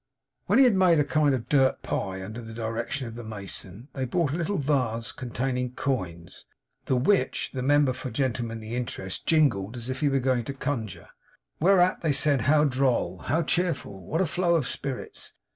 When he had made a kind of dirt pie under the direction of the mason, they brought a little vase containing coins, the which the member for the Gentlemanly Interest jingled, as if he were going to conjure. Whereat they said how droll, how cheerful, what a flow of spirits!